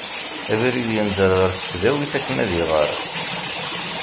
Abrid yenǧer ɣer tesdawit akken ad iɣer.